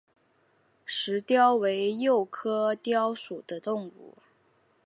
石貂为鼬科貂属的动物。